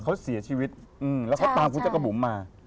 เขาเสียชีวิตแล้วเขาตามคุณจักรบุ๋มมา